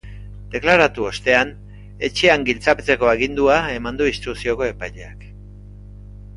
Deklaratu ostean, etxean giltzapetzeko agindua eman du instrukzioko epaileak.